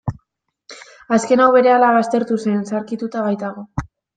Azken hau berehala baztertu zen, zaharkituta baitago.